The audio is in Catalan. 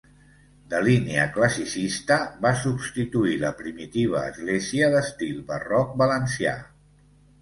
De línia classicista, va substituir la primitiva església, d'estil barroc valencià.